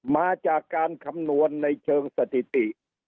มาจากการคำนวณในเชิงสถิติ